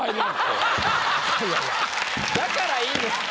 ・だからいいんですって！